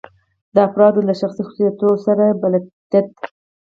د افرادو له شخصي خصوصیاتو سره بلدیت.